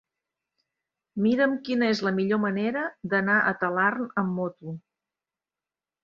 Mira'm quina és la millor manera d'anar a Talarn amb moto.